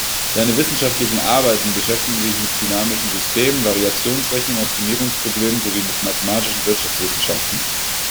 Seine wissenschaftlichen Arbeiten beschäftigen sich mit dynamischen Systemen, Variationsrechnung, Optimierungsproblemen sowie mit mathematischen Wirtschaftswissenschaften.